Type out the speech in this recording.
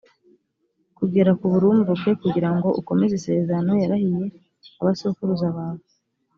kugera ku burumbuke, kugira ngo ukomeze isezerano yarahiriye abasokuruza bawe